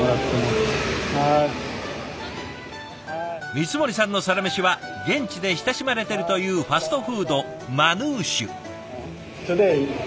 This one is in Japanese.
光森さんのサラメシは現地で親しまれてるというファストフードマヌーシュ。